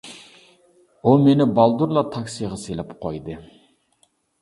ئۇ مېنى بالدۇرلا تاكسىغا سېلىپ قويدى.